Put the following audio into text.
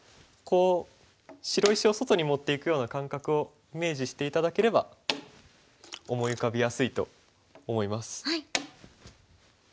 白石を外に持っていくような感覚をイメージして頂ければ思い浮かびやすいと思います。